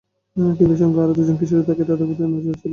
কিন্তু সঙ্গে আরও দুজন কিশোর থাকায় তাদের প্রতি নজর ছিল বেশি।